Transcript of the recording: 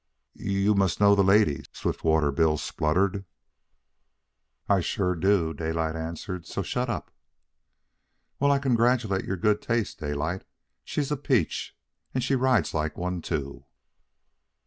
"You m m must know the lady," Swiftwater Bill spluttered. "I sure do," Daylight answered, "so shut up." "Well, I congratulate your good taste, Daylight. She's a peach, and she rides like one, too."